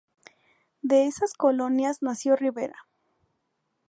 De esas colonias nació Rivera.